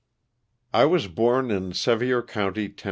T WAS born in Sevier county, Tenn.